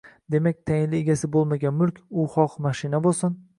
Demak, tayinli egasi bo‘lmagan mulk – u xoh mashina bo‘lsin